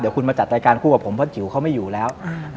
คุณมาจัดรายการคู่กับผมเพราะจิ๋วเขาไม่อยู่แล้ว